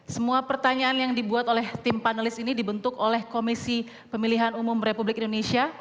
semua pertanyaan yang dibuat oleh tim panelis ini dibentuk oleh komisi pemilihan umum republik indonesia